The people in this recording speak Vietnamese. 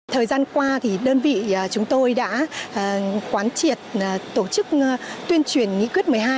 thời gian qua thì đơn vị chúng tôi đã quán triệt tổ chức tuyên truyền nghị quyết một mươi hai